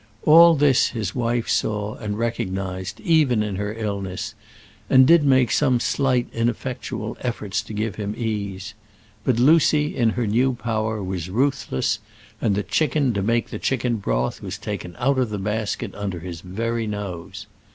All this his wife saw and recognized even in her illness, and did make some slight ineffectual efforts to give him ease; but Lucy in her new power was ruthless, and the chicken to make the chicken broth was taken out of the basket under his very nose.